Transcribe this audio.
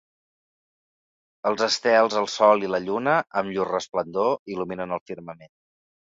Els estels, el sol i la lluna, amb llur resplendor, il·luminen el firmament.